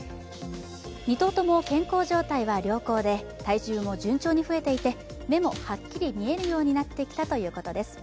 ２頭とも健康状態は良好で、体重も順調に増えていて目もはっきり見えるようになってきたということです。